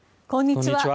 こんにちは。